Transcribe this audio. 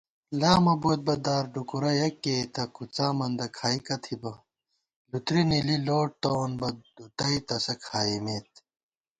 لامہ بوئیت بہ دار ڈکُورہ یَک کېئیتہ کُڅا مندہ کھائیک تھِبہ * لُتری نِلی لوٹ تَوون بہ دُتَئ تسہ کھائیمېت